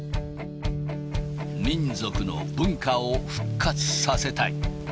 民族の文化を復活させたい。